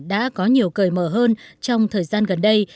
đã có nhiều cởi mở hơn trong thời gian gần đây